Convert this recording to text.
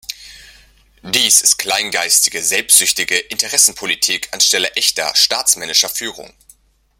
Dies ist kleingeistige, selbstsüchtige Interessenpolitik anstelle echter staatsmännischer Führung.